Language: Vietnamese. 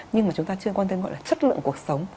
nhưng mà chúng ta chưa quan tâm gọi là chất lượng cuộc sống